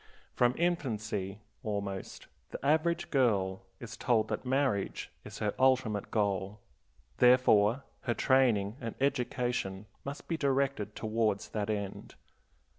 From infancy, almost, the average girl is told that marriage is her ultimate goal; therefore her training and education must be directed towards that end.